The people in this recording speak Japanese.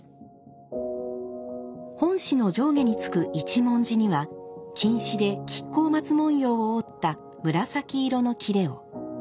本紙の上下に付く一文字には金糸で亀甲松文様を織った紫色の裂を。